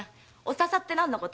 「おささ」って何？